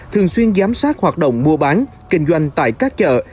thường xuyên giám sát hoạt động mua bán kinh doanh tại các chợ